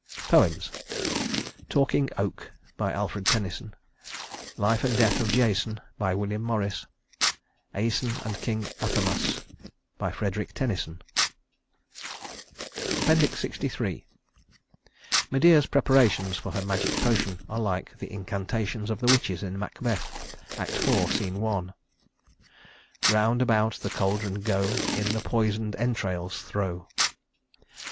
Poems: Talking Oak ALFRED TENNYSON Life and Death of Jason WILLIAM MORRIS Æson and King Athamas FREDERICK TENNYSON LXIII Medea's preparations for her magic potion are like the incantations of the witches in Macbeth, Act IV, Sc. I. "Round about the caldron go; In the poison'd entrails throw.